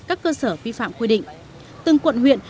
các cơ sở vi phạm quy định từng quận huyện